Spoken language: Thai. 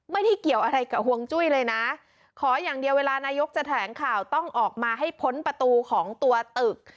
ไม่ได้เกี่ยวอะไรกับห่วงจุ้ยเลยนะขออย่างเดียวเวลานายกจะแถลงข่าวต้องออกมาให้พ้นประตูของตัวตึก